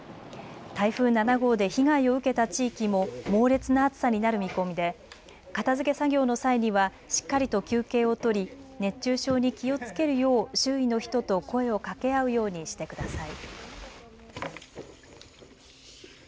台風７号で被害を受けた地域も猛烈な暑さになる見込みで片づけ作業の際にはしっかりと休憩を取り熱中症に気をつけるよう周囲の人と声をかけ合うようにしてください。